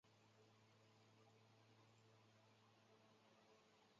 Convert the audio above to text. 麻省理工学院经济系重视数理分析。